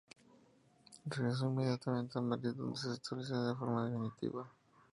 Regresó inmediatamente a Madrid donde se estableció de forma definitiva.